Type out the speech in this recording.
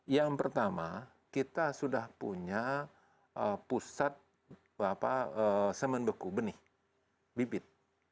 yang pertama kita sudah punya pusat semen beku benih bibit